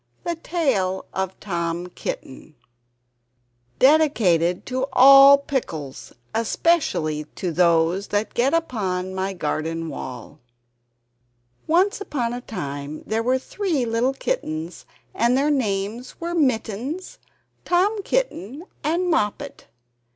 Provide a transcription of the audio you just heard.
THE TALE OF TOM KITTEN [Dedicated to All Pickles, Especially to Those That Get upon My Garden Wall] Once upon a time there were three little kittens, and their names were Mittens, Tom Kitten, and Moppet.